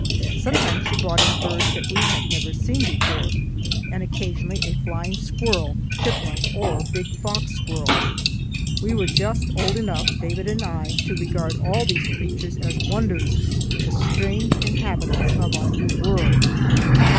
Sometimes she brought in birds that we had never seen before, and occasionally a flying squirrel, chipmunk, or big fox squirrel. We were just old enough, David and I, to regard all these creatures as wonders, the strange inhabitants of our new world.